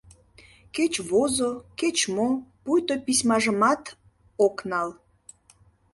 Кеч возо, кеч мо — пуйто письмажымат ок нал.